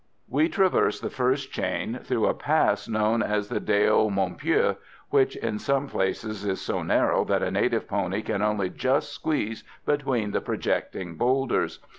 We traversed the first chain through a pass known as the Deo Mou Phieu, which in some places is so narrow that a native pony can only just squeeze between the projecting boulders.